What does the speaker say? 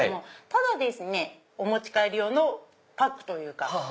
ただですねお持ち帰り用のパックというか。